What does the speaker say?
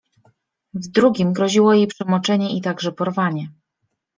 W drugim groziło jej przemoczenie i także porwanie.